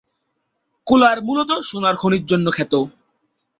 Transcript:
কোলার মুলত সোনার খনির জন্য খ্যাত।